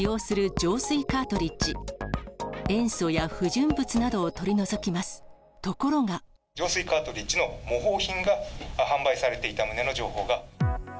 浄水カートリッジの模倣品が販売されていた旨の情報が。